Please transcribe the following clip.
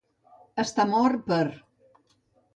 Estar mort per.